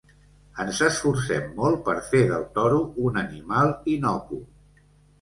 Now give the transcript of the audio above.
Ens esforcem molt per fer del toro un animal innocu.